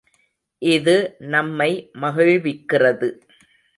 இது நம்மை மகிழ்விக்கிறது.